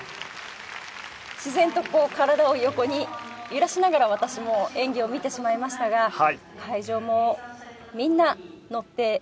自然とこう体を横に揺らしながら私も演技を見てしまいましたが会場もみんなのっていたんではないでしょうか。